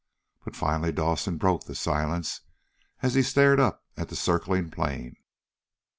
But finally Dawson broke the silence as he stared up at the circling plane.